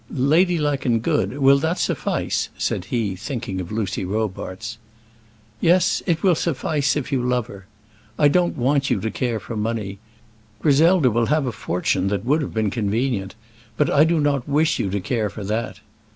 "Lady like and good! Will that suffice?" said he, thinking of Lucy Robarts. "Yes; it will suffice, if you love her. I don't want you to care for money. Griselda will have a fortune that would have been convenient; but I do not wish you to care for that."